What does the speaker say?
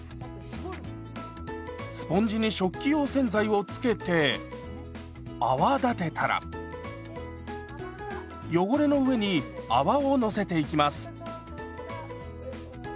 スポンジに食器用洗剤を付けて泡立てたら汚れの上に泡をのせていきます。